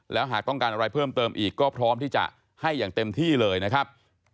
แล้วหากต้องการอะไรเพิ่มเติมอีกก็พร้อมที่จะให้อย่างเต็มที่เลยนะครับ